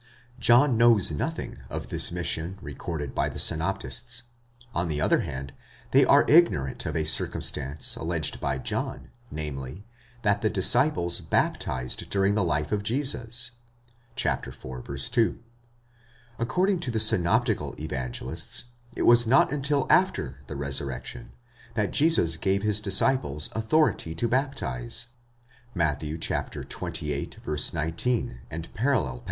John knows nothing of this mission, recorded by the synoptists. On the other hand, they are ignorant of a circumstance alleged by John, namely, that the disciples baptized during the life of Jesus (iv. 2). According to the synoptical Evangelists, it was not until after the resurrection, that Jesus gave his disciples authority to baptize (Matt. xxviii. 19, parall.).